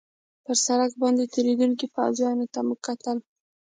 پر سړک باندې تېرېدونکو پوځیانو ته مو کتل.